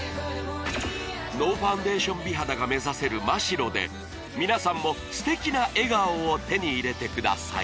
ノーファンデーション美肌が目指せるマ・シロで皆さんもステキな笑顔を手に入れてください